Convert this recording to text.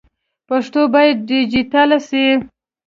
پښتو باید ډيجيټل سي.